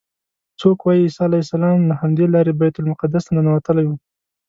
څوک وایي عیسی علیه السلام له همدې لارې بیت المقدس ته ننوتلی و.